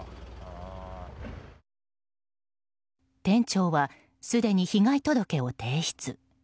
店長はすでに被害届を提出。